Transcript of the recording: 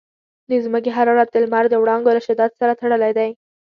د ځمکې حرارت د لمر د وړانګو له شدت سره تړلی دی.